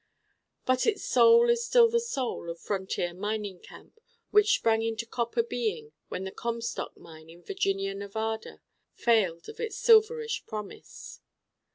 But its soul is still the soul of the frontier mining camp which sprang into copper being when the Comstock mine in Virginia Nevada failed of its silver ish promise.